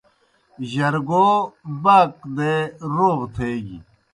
جرگو باک دے روغ تھیگیْ۔